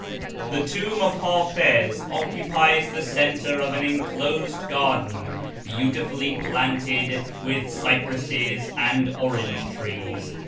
The tomb of Hatiz occupies the centre of an enclosed garden beautifully planted with cyjoresses and orange trees.